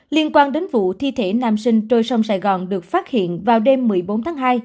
liên quan đến vụ thi thể nam sinh trôi sông sài gòn được phát hiện vào đêm một mươi bốn tháng hai